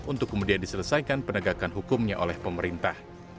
untuk kemudian diselesaikan penegakan hukumnya oleh pemerintah